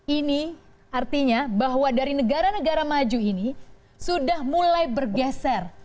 ini artinya bahwa dari negara negara maju ini sudah mulai bergeser